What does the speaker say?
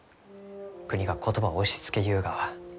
国が言葉を押しつけゆうがは。